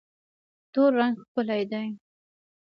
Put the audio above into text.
تور رنګ ښکلی دی.